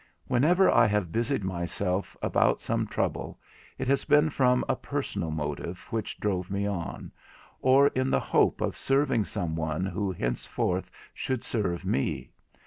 Whenever I have busied myself about some trouble it has been from a personal motive which drove me on, or in the hope of serving someone who henceforth should serve me.